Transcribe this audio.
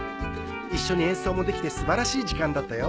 一緒に演奏もできて素晴らしい時間だったよ。